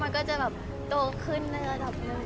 มันก็จะแบบโตขึ้นในระดับหนึ่ง